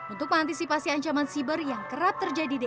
untuk mengantisipasi ancaman siber yang kerap terjadi di dki